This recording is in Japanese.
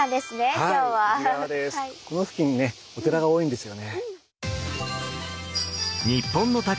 この付近にねお寺が多いんですよね。